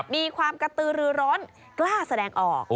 มีความกระตือรือร้อนกล้าแสดงออก